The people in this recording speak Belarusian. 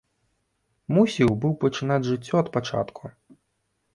Мусіў быў пачынаць жыццё ад пачатку.